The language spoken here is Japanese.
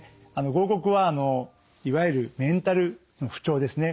合谷はいわゆるメンタルの不調ですね